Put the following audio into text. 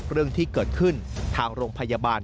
เรื่องที่เกิดขึ้นทางโรงพยาบาล